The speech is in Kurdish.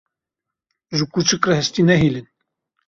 Ji kûçik re hestî nehêlin.